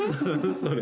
それ！